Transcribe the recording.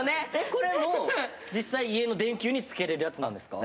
これも実際家の電球につけられるものなんですか？